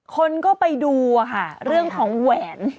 คนก็ไปดูค่ะเรื่องของแหวน